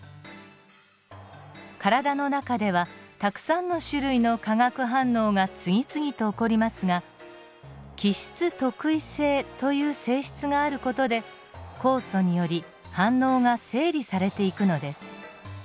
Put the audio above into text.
体の中ではたくさんの種類の化学反応が次々と起こりますが基質特異性という性質がある事で酵素により反応が整理されていくのです。